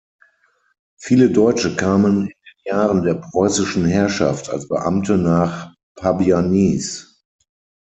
Viele Deutsche kamen in den Jahren der preußischen Herrschaft als Beamte nach Pabianice.